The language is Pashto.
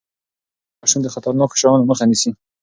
مور د ماشوم د خطرناکو شيانو مخه نيسي.